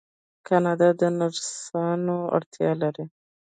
کاناډا د نرسانو اړتیا لري.